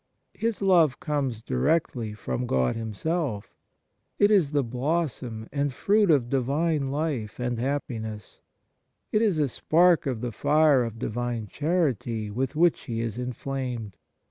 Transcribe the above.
His love comes directly from God Himself; it is the blossom and fruit of Divine life and happiness; it is a spark of the fire of Divine charity with which He is inflamed.